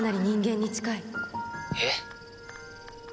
「えっ」